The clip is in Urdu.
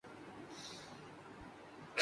یہ انوکھی نہیں نرالی بات ہوتی۔